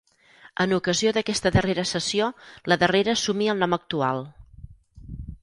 En ocasió d'aquesta darrera cessió la darrera assumí el nom actual.